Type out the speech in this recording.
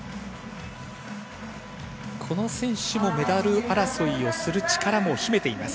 この選手もメダル争いをする力を秘めています。